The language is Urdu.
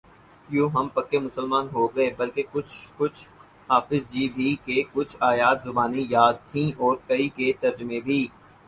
یوں ہم پکے مسلمان ہوگئے بلکہ کچھ کچھ حافظ جی بھی کہ کچھ آیات زبانی یاد تھیں اور کئی کے ترجمے بھی